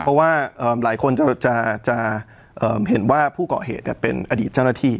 เพราะว่าเอ่อหลายคนจะจะเอ่อเห็นว่าผู้เกาะเหตุเนี้ยเป็นอดีตเจ้าหน้าที่